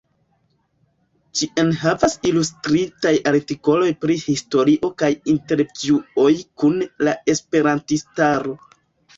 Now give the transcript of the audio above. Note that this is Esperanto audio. Ĝi enhavas ilustritaj artikoloj pri historio kaj intervjuoj kun la esperantistaro.